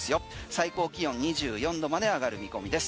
最高気温２４度まで上がる見込みです。